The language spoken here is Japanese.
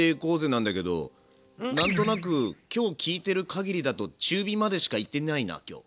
なんだけど何となく今日聞いてるかぎりだと中火までしか行ってないな今日。